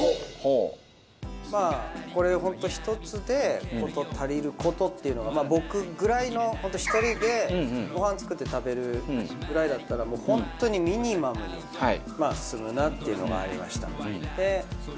まあこれ本当１つで事足りる事っていうのが僕ぐらいの本当一人でごはん作って食べるぐらいだったら本当にミニマムにするなあっていうのがありました。